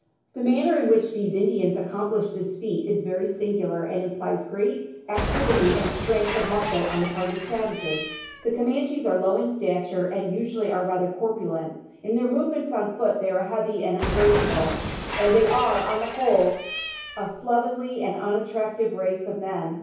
The manner in which these Indians accomplish this feat is very singular, and implies great activity and strength of muscle on the part of the savages. The Camanchees are low in stature, and usually are rather corpulent. In their movements on foot they are heavy and ungraceful, and they are, on the whole, a slovenly and unattractive race of men.